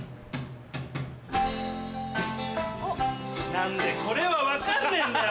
何でこれは分かんねえんだよ！